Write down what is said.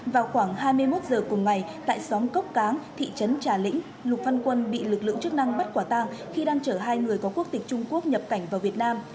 vào khoảng hai mươi một giờ cùng ngày tại xóm cốc cáng thị trấn trà lĩnh lục văn quân bị lực lượng chức năng bắt quả tang khi đang chở hai người có quốc tịch trung quốc nhập cảnh vào việt nam